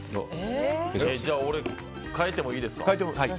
じゃあ俺変えてもいいですか？